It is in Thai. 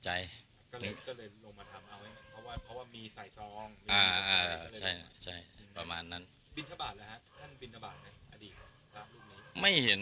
ความรู้สึกคิดประจำกัน